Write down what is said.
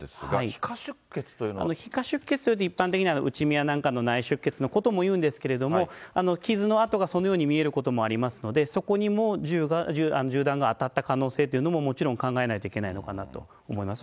皮下出血というのは、一般的な打ち身やなんかの内出血のこともいうんですけれども、傷の痕がそのように見えることもありますので、そこにも銃弾が当たった可能性というのももちろん考えないといけないのかなと思います。